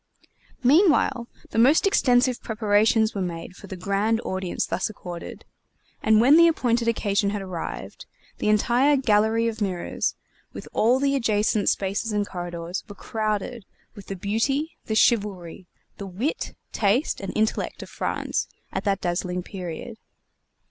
Meanwhile the most extensive preparations were made for the grand audience thus accorded; and when the appointed occasion had arrived, the entire Gallery of Mirrors with all the adjacent spaces and corridors, were crowded with the beauty, the chivalry, the wit, taste, and intellect of France at that dazzling period.